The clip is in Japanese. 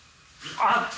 「あ！」